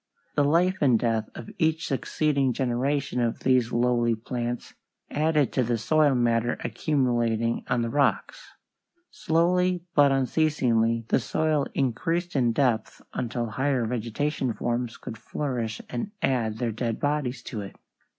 The life and death of each succeeding generation of these lowly plants added to the soil matter accumulating on the rocks. Slowly but unceasingly the soil increased in depth until higher vegetable forms could flourish and add their dead bodies to it.